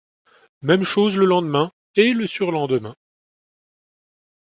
Même chose le lendemain et le surlendemain.